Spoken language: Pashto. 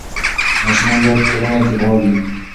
ماشومان باید په ټولنه کې فعال وي.